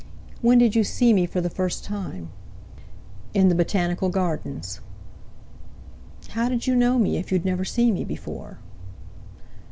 "When did you see me for the first time?" "In the Botanical Gardens." "How did you know me, if you'd never seen me before?"